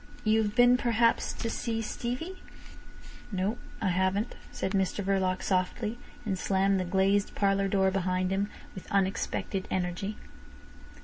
You've been perhaps to see Stevie?" "No! I haven't," said Mr Verloc softly, and slammed the glazed parlour door behind him with unexpected energy.